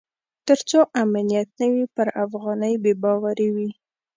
تر څو امنیت نه وي پر افغانۍ بې باوري وي.